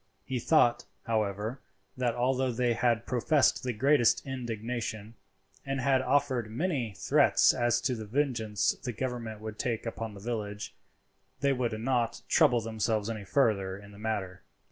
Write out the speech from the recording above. He thought, however, that although they had professed the greatest indignation, and had offered many threats as to the vengeance the government would take upon the village, they would not trouble themselves any further in the matter.